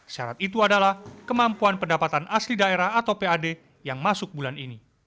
syarat itu adalah kemampuan pendapatan asli daerah atau pad yang masuk bulan ini